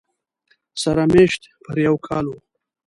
سره مېشت پر یو کاله و